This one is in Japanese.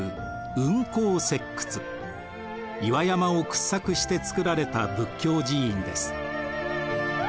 岩山を掘削して造られた仏教寺院です。